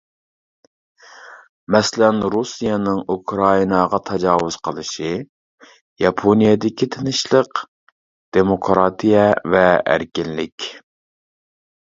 مەسىلەن رۇسىيەنىڭ ئۇكرائىناغا تاجاۋۇز قىلىشى، ياپونىيەدىكى تىنچلىق ، دېموكراتىيە ۋە ئەركىنلىك.